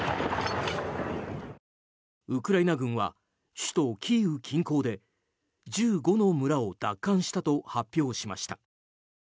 ウクライナ軍は首都キーウ近郊で１５の村を奪還したと発表しました。